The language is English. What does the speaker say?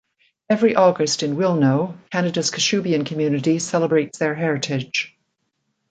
Every August in Wilno, Canada's Kashubian community celebrates their heritage.